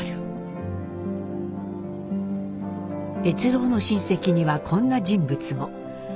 越郎の親戚にはこんな人物も。